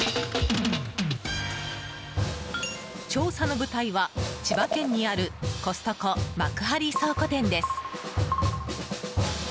調査の舞台は、千葉県にあるコストコ幕張倉庫店です。